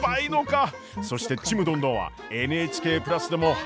そして「ちむどんどん」は「ＮＨＫプラス」でも配信中！